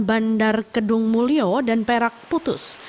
bandar kedung mulyo dan perak putus